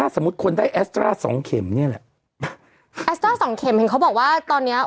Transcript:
จริงหรอต้องไปเช็คบุญ